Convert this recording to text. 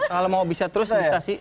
kalau mau bisa terus bisa sih